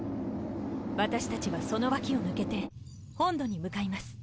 私たちはその脇を抜けて本土に向かいます。